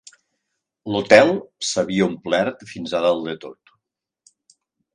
L'hotel s'havia omplert fins a dalt de tot